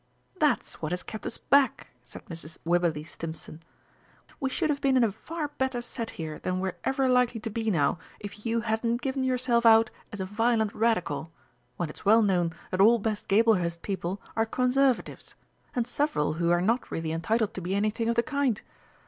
"That's what has kept us back," said Mrs. Wibberley Stimpson; "we should have been in a far better set here than we're ever likely to be now if you hadn't given yourself out as a violent Radical, when it's well known that all best Gablehurst people are Conservatives, and several who are not really entitled to be anything of the kind.